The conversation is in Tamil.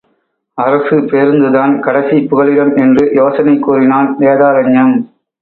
அரசு பேருந்துதான் கடைசிப் புகலிடம் என்று யோசனை கூறினான் வேதாரண்யம்.